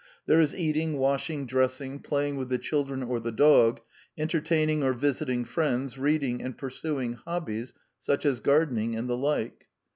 There is eating, washing, dressing, pla^ng with the children or the dog, entertaining or visiting friends, reading, and pursuing hobbies such as gardening and the like.